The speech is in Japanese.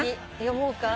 読もうか。